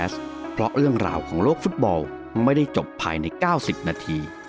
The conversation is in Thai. สวัสดีครับ